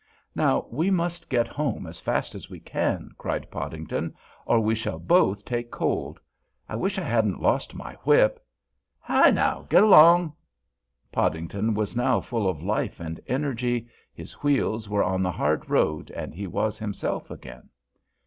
"Now we must get home as fast as we can," cried Podington, "or we shall both take cold. I wish I hadn't lost my whip. Hi now! Get along!" Podington was now full of life and energy, his wheels were on the hard road, and he was himself again.